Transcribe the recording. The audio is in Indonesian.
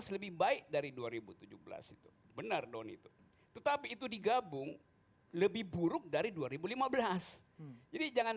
lebih baik dari dua ribu tujuh belas itu benar don itu tetapi itu digabung lebih buruk dari dua ribu lima belas jadi jangan